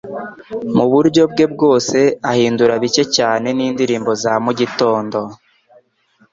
Muburyo bwe bwose ahindura bike cyane nindirimbo za mugitondo